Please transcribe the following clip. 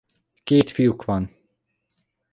Két fiuk van.